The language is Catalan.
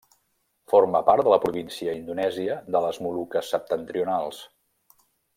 Forma part de la província indonèsia de les Moluques Septentrionals.